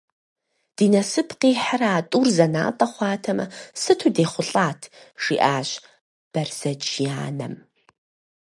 Ди насып къихьрэ а тӏур зэнатӏэ хъуатэмэ, сыту дехъулӏат, - жиӏащ Бэрзэдж и анэм.